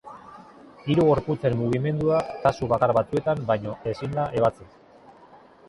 Hiru gorputzen mugimendua kasu bakar batzuetan baino ezin da ebatzi.